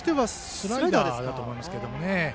スライダーだと思います。